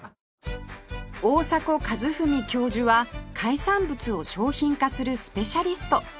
大迫一史教授は海産物を商品化するスペシャリスト